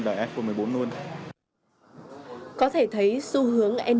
có thể thấy xu hướng n một với những người đam mê với sản phẩm đến từ nhà apple